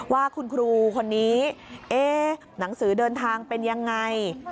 ว่าคุณครูคนนี้หนังสือเดินทางเป็นยังไง